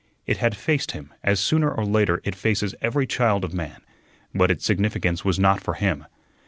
It had faced him, as sooner or later it faces every child of man; but its significance was not for him.